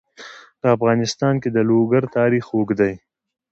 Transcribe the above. په افغانستان کې د لوگر تاریخ اوږد دی.